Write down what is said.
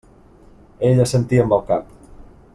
Ell assentí amb el cap.